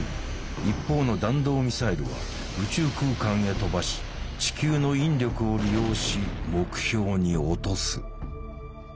一方の弾道ミサイルは宇宙空間へ飛ばし地球の引力を利用し目標に落とす。